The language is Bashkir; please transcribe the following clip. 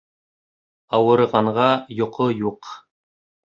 Ауырығанға йоҡо юҡ